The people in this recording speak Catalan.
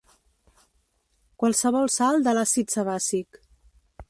Qualsevol sal de l'àcid sebàcic.